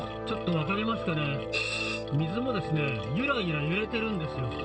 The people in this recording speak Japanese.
ちょっと分かりますかね、水もゆらゆら揺れてるんですよ。